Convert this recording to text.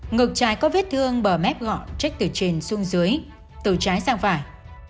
ngực trái có vết thương bờ mép gọn trách từ trên xương dưới từ trái sang phải